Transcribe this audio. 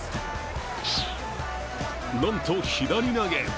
なんと左投げ。